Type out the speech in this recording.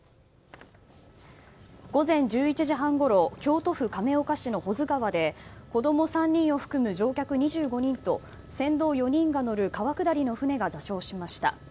午前１１時半ごろ京都府亀岡市の保津川で子供３人を含む乗客２５人と船頭４人が乗る川下りの船が座礁しました。